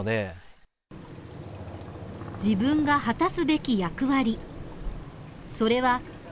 自分が果たすべき役割。